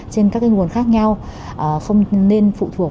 trên các nguồn khác nhau không nên phụ thuộc